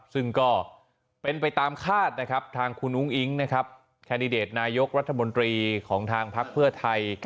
ซึ่งก็เป็นไปตามคาดนะครับทางคุณอุ้งอิ๊งนะครับแคนดิเดตนายกรัฐมนตรีของทางพักเพื่อไทย